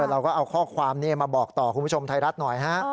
เราก็เอาข้อความนี้มาบอกต่อคุณผู้ชมไทยรัฐหน่อยฮะ